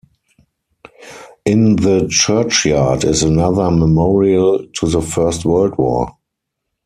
In the churchyard is another memorial to the First World War.